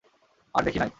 আর দেখি নাই।